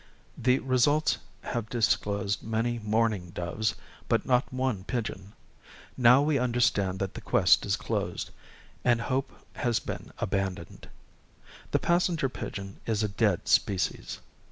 The results have disclosed many mourning doves, but not one pigeon. Now we understand that the quest is closed, and hope has been abandoned. The passenger pigeon is a dead species.